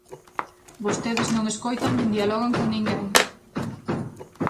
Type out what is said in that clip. Vostedes non escoitan nin dialogan con ninguén.